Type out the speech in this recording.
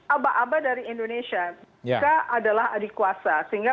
aba aba dari indonesia adalah adik kuasa sehingga